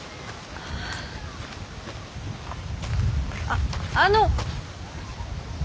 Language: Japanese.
あっあの！